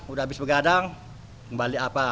udah habis begadang balik apa